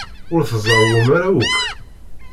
Ur tzerrwem ara akk?